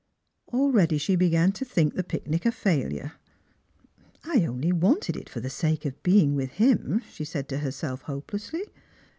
Already she began to think the picnic a failure. " I only wanted it for the sake of being with him," she said to herself hopelessly.